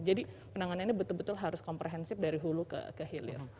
jadi penanganannya betul betul harus komprehensif dari hulu ke hilang